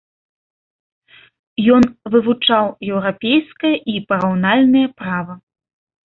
Ён вывучаў еўрапейскае і параўнальнае права.